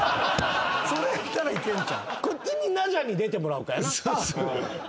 それやったらいけんちゃう？